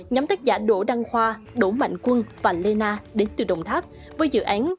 nhóm tác giả đỗ đăng khoa đỗ mạnh quân và lê na đến từ đồng tháp với dự án